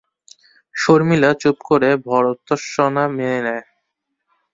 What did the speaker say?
শর্মিলা চুপ করে ভৎর্সনা মেনে নেয়।